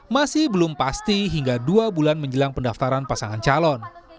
masih belum pasti hingga dua bulan menjelang pendaftaran pasangan calon